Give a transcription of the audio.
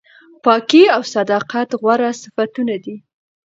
پاکي او صداقت غوره صفتونه دي.